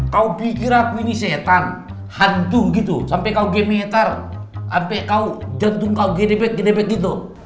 kau pikir aku ini setan hantu gitu sampe kau gemetar sampe kau jantung kau gedebek gedebek gitu